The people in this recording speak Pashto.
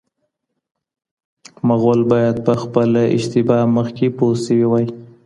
مغول باید په خپله اشتباه مخکي پوه سوي وای.